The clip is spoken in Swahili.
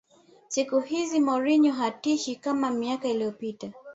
siku hizi mourinho hatishi kama miaka iliyopita